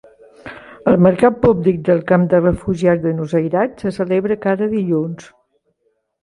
El mercat públic del camp de refugiats de Nuseirat se celebra cada dilluns.